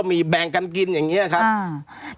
ก็มีแบ่งกันกินอย่างนี้ครับ